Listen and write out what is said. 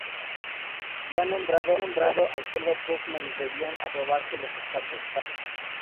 Ya nombrado, Alfredo Pugh manifestó que debían aprobarse los estatutos.